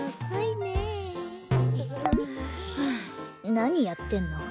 何やってんの？